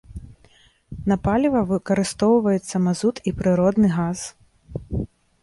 На паліва выкарыстоўваецца мазут і прыродны газ.